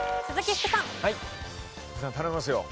福さん頼みますよ。